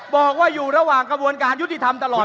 บอกว่าอยู่ระหว่างกระบวนการยุติธรรมตลอด